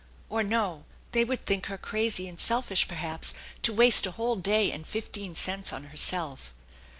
Or no! they would think her crazy and selfish, perhaps, to waste a whole day and fifteen cents on herself.